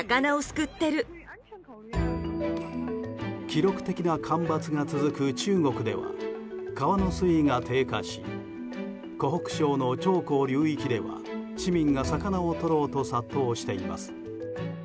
記録的な干ばつが続く中国では川の水位が低下し湖北省の長江流域では市民が魚をとろうと殺到しています。